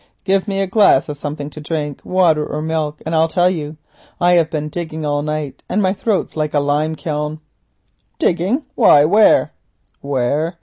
"Give me a glass of something to drink, water or milk, and I'll tell you. I've been digging all night, and my throat's like a limeskin." "Digging, why where?" "Where?